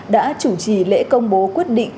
đã chủ trì lễ công bố quyết định thăng ký